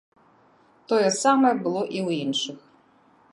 Тое самае было і ў іншых.